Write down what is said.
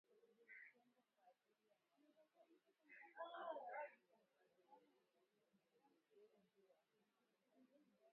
zilizotengwa kwa ajili ya mafuta ili kuimarisha bei na kumaliza mgogoro huo Afrika mashariki